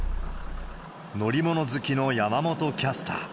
乗り物好きの山本キャスター。